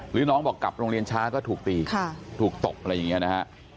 หรือน้องบอกกลับโรงเรียนช้าก็ถูกตีถูกตบอะไรอย่างนี้นะฮะ